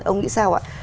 ông nghĩ sao ạ